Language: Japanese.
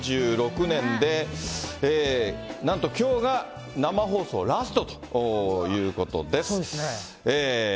３６年で、なんときょうが生放送ラストということです。